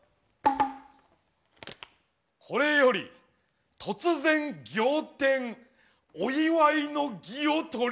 これより突然仰天お祝いの儀を執り行う。